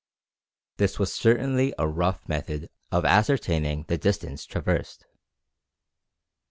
This was certainly a rough method of ascertaining the distance traversed!